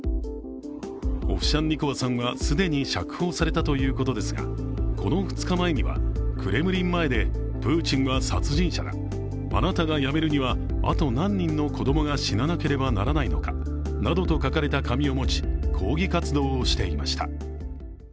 オフシャンニコワさんは既に釈放されたということですが、この２日前にはクレムリン前で、プーチンは殺人者だ、あなたが辞めるには、あと何人の子供が死ななければならないのかなどと書かれた紙を持ち、抗議活動をしていました。